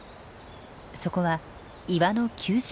そこは岩の急斜面。